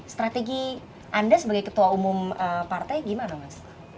strategi anda sebagai ketua umum partai gimana mas